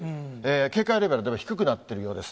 警戒レベルは低くなっているようです。